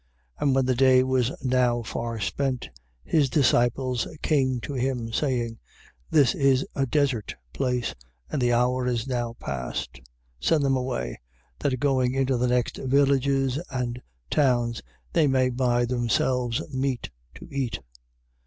6:35. And when the day was now far spent, his disciples came to him, saying: This is a desert place, and the hour is now past: 6:36. Send them away, that going into the next villages and towns, they may buy themselves meat to eat.